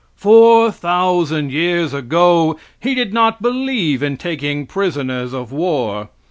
Four thousand years ago He did not believe in taking prisoners of war.